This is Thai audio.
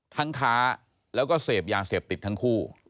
ทั้งค้าและเสียบยาเสียบติดทั้งคู่